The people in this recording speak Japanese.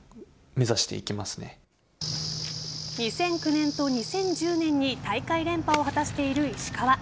２００９年と２０１０年に大会連覇を果たしている石川。